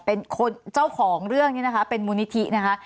เจ้าของเรื่องนี้นะคะเป็นมูลนิธินะคะ